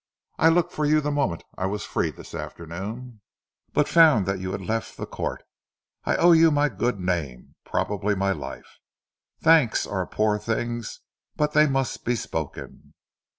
I looked for you the moment I was free this afternoon, but found that you had left the Court. I owe you my good name, probably my life. Thanks are poor things but they must be spoken."